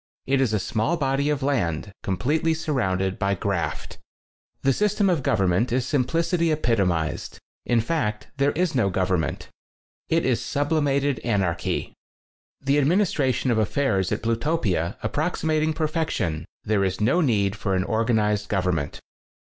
It is a small body of land com pletely surrounded by graft. The system of government is sim plicity epitomized — in fact, there is no government. It is sublimated anarchy. The administration of affairs at Plu topia approximating perfection, there is no need for an organized govern ment.